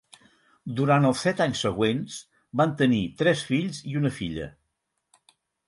Durant els set anys següents, van tenir tres fills i una filla.